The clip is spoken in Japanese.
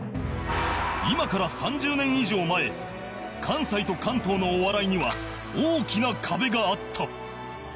今から３０年以上前関西と関東のお笑いには大きな壁があった